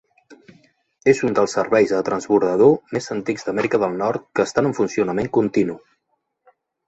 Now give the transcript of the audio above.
És un dels serveis de transbordador més antics d'Amèrica del Nord que estan en funcionament continu.